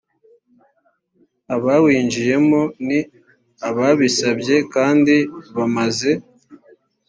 abawinjiyemo ni ababisabye kandi bamaze